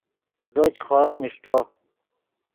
زو چے خوریم اݰٹو